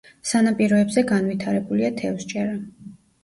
სანაპიროებზე განვითარებულია თევზჭერა.